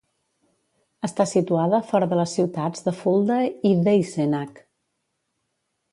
Està situada fora de les ciutats de Fulda i d'Eisenach.